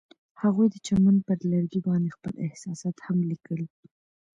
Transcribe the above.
هغوی د چمن پر لرګي باندې خپل احساسات هم لیکل.